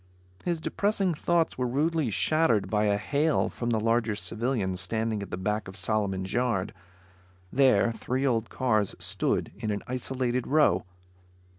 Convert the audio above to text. His depressing thoughts were rudely shattered by a hail from the larger civilian, standing at the back of Solomon's yard. There, three old cars stood in an isolated row.